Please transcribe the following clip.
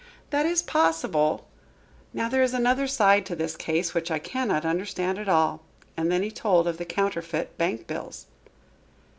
"That is possible. Now there is another side to this case, which I cannot understand at all." And then he told of the counterfeit bank bills.